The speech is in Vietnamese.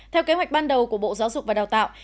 theo kế hoạch ban đầu của bộ giáo dục và đào tạo